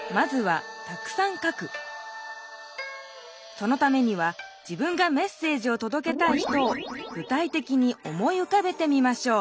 そのためには自分がメッセージをとどけたい人をぐ体てきに思いうかべてみましょう。